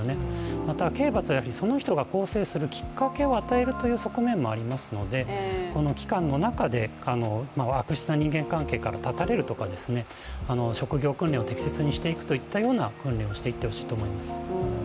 また、刑罰はその人が更正するきっかけを与える側面もありますのでこの期間の中で悪質な人間関係から絶たれるとか職業訓練を適切にしていくといったような訓練をしていってほしいと思います。